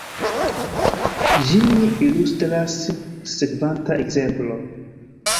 Ĝin ilustras sekvanta ekzemplo.